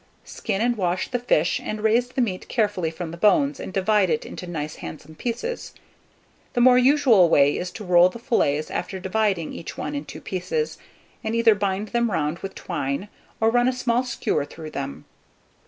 Skin and wash the fish, and raise the meat carefully from the bones, and divide it into nice handsome pieces. The more usual way is to roll the fillets, after dividing each one in two pieces, and either bind them round with twine, or run a small skewer through them.